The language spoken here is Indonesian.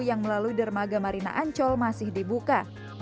yang melalui dermaga marina ancol masih dibuka